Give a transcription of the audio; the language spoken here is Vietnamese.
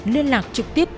liên lạc trực tiếp